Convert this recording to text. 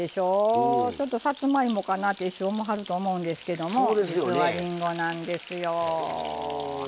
さつまいもかなってちょっと思はるかと思うんですけど実は、りんごなんですよ。